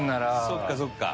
そっかそっか。